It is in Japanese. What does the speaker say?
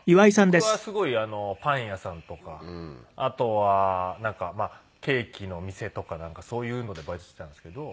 僕はすごいパン屋さんとかあとはなんかケーキの店とかなんかそういうのでバイトしてたんですけど。